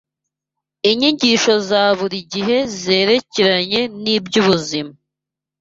inyigisho za buri gihe zerekeranye n’iby’ubuzima